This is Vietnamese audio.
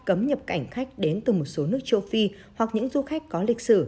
để giúp cảnh khách đến từ một số nước châu phi hoặc những du khách có lịch sử